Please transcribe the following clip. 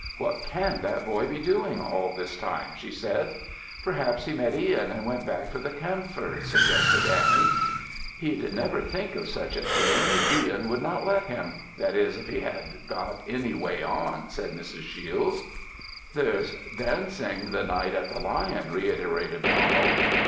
"What can that boy be doing, all this time?" she said. "Perhaps he met Ihan, and went back for the camphor," suggested Annie. "He'd never think of such a thing! Ihan would not let him; that is, if he had got any way on," said Mrs. Shiels. "There's dancing the night at the Lion," reiterated Donald.